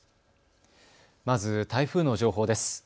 まず台風の情報です。